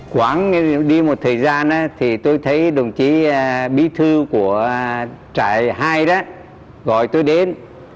khoảng đi một thời gian tôi thấy đồng chí bí thư của trại hai gọi tôi đến